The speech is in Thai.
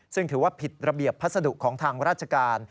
ซึ่งถือว่าผิดระเบียบพัสดุของทางราชการ